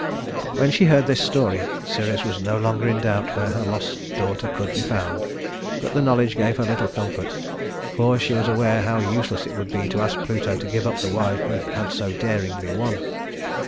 When she heard this story, Ceres was no longer in doubt where her lost daughter could be found; but the knowledge gave her little comfort, for she was aware how useless it would be to ask Pluto to give up the wife he had so daringly won.